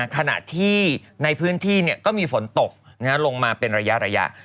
ขณะที่ในพื้นที่ก็มีฝนตกลงมาเป็นระยะ